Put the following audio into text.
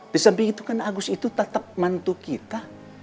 di samping itu kan agus itu tetap mantu kita